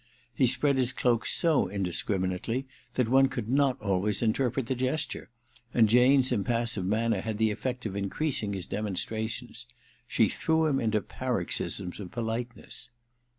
He spread his cloak so indiscriminately that one could not always interpret the gesture, and Jane's im passive manner had the effect of increasing his demonstrations : she threw him into paroxysms of politeness.